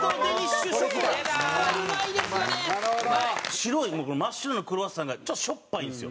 白い部分真っ白のクロワッサンがちょっと、しょっぱいんですよ。